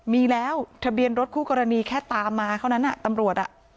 มีแล้วทะเบียนรถคู่กรณีแค่ตามมาเท่านั้นตำรวจอ่ะ